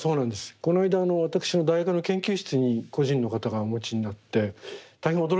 この間私の大学の研究室に個人の方がお持ちになって大変驚いたんですけども。